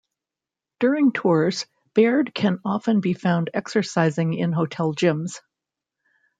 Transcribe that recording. During tours, Baird can often be found exercising in hotel gyms.